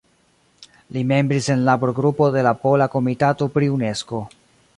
Li membris en Labor-Grupo de la Pola Komitato pri Unesko.